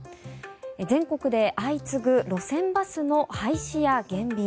全国で相次ぐ路線バスの廃止や減便。